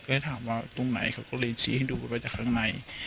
ก็เลยถามว่าตรงไหนเขาก็เลยชี้ให้ดูไปจากข้างใน